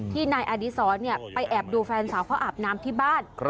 นายอดีศรไปแอบดูแฟนสาวเขาอาบน้ำที่บ้าน